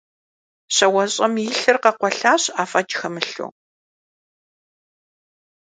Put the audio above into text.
Щауэщӏэм и лъыр къэкъуэлъащ афӏэкӏ хэмылъу.